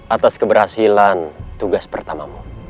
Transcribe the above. atas keberhasilan tugas pertamamu